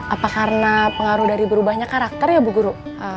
apa karena pengaruh dari berubahnya karakter ya bu guru